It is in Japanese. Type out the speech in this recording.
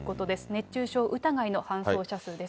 熱中症疑いの搬送者数です。